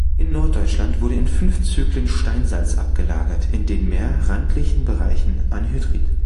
In Norddeutschland wurde in fünf Zyklen Steinsalz abgelagert, in den mehr randlichen Bereichen Anhydrit.